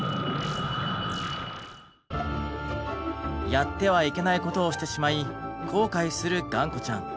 やってはいけないことをしてしまい後悔するがんこちゃん。